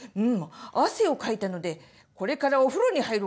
汗をかいたのでこれからお風呂に入ろう。